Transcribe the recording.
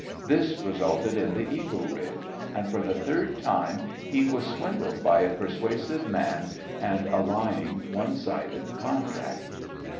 This resulted in the Eagle Ridge. And for the third time he was swindled by a persuasive man and a lying one sided contract.